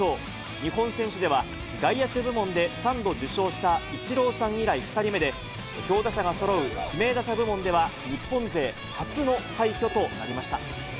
日本選手では、外野手部門で３度受賞したイチローさん以来２人目で、強打者がそろう指名打者部門では日本勢初の快挙となりました。